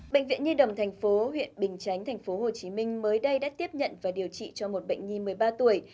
bệnh viện nhi đồng tp huyện bình chánh tp hcm mới đây đã tiếp nhận và điều trị cho một bệnh nhi một mươi ba tuổi